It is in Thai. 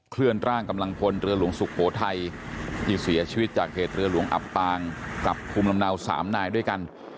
เคลื่อนร่างกำลังพลเรือหลวงสุโขทัยที่เสียชีวิตจากเหตุเรือหลวงอับปางกับภูมิลำเนา๓นายด้วยกัน